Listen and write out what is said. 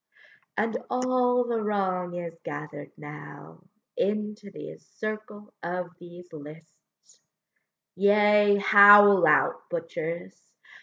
And all the wrong is gather'd now Into the circle of these lists: Yea, howl out, butchers!